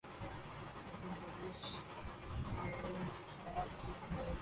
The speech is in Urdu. لیکن پولیس کے ہاتھ لمبے ہوتے ہیں۔